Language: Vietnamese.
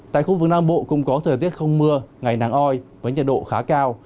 tại khu vực nam bộ cũng có thời tiết không mưa ngày nắng oi với nhiệt độ khá cao